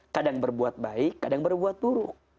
kadang berbuat baik kadang berbuat buruk